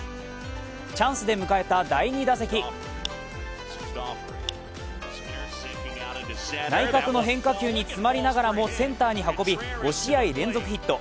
チャンスで迎えた第２打席内角の変化球に詰まりながらもセンターに運び５試合連続ヒット。